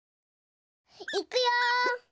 いくよ！